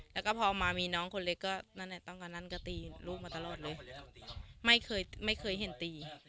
แล้วก็พอมามีน้องคนเล็กก็นั่นแหละตั้งแต่นั้นก็ตีลูกมาตลอดเลยไม่เคยไม่เคยเห็นตี